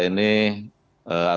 ini masih diperlukan untuk mengembangkan